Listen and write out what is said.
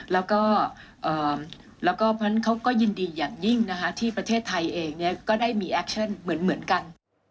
แล้วก็เพราะฉะนั้นเขาก็ยินดีอย่างยิ่งนะคะที่ประเทศไทยเองก็ได้มีแอคชั่นเหมือนกัน